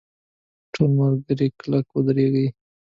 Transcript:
ټول ملګري کلک ودرېږئ!.